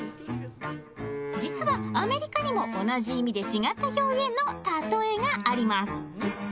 実はアメリカにも同じ意味で違った表現のたとえがあります！